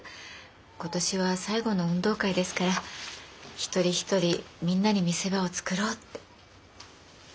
今年は最後の運動会ですから一人一人みんなに見せ場を作ろうって。